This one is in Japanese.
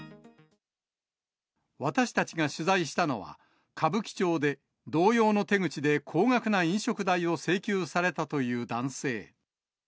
私たちが取材したのは、歌舞伎町で同様の手口で高額な飲食代を請求されたという男性。